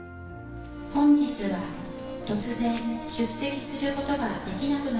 「本日は突然出席することができなくなってしまいました」